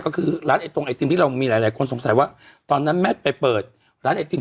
ก็คือร้านไอตรงไอติมที่เรามีหลายหลายคนสงสัยว่าตอนนั้นแมทไปเปิดร้านไอติม